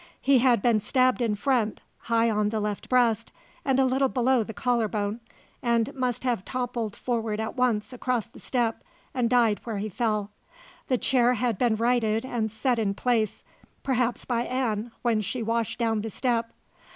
He had been stabbed in front, high on the left breast and a little below the collar bone, and must have toppled forward at once across the step, and died where he fell. The chair had been righted and set in place, perhaps by Ann when she washed down the step.